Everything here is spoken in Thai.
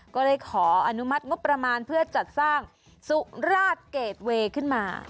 ก็ได้ขออนุมัติงบประมาณเพื่อจัดสร้างสุราชเกรดเวย์ขึ้นมา